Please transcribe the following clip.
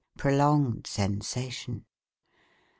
(Prolonged sensation.)